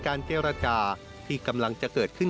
การพบกันในวันนี้ปิดท้ายด้วยการรับประทานอาหารค่ำร่วมกัน